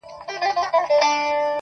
دا دی په وينو لژند يار سره خبرې کوي~